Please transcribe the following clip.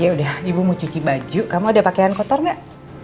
ya udah ibu mau cuci baju kamu ada pakaian kotor gak